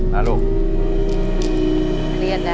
มาลูก